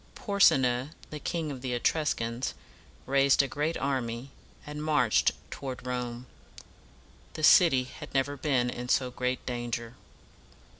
Por´se na, the King of the E trus cans, raised a great army, and marched toward Rome. The city had never been in so great danger.